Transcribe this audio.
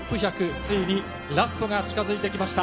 ついにラストが近づいてきました。